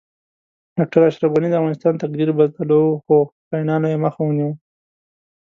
ډاکټر اشرف غنی د افغانستان تقدیر بدلو خو خاینانو یی مخه ونیوه